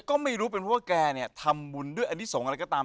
ก็ไม่รู้ว่าแกเนี่ยทำวุญด้วยอณิสงฆ์อะไรก็ตาม